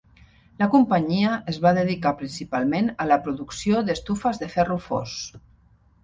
La companyia es va dedicar principalment a la producció d'estufes de ferro fos.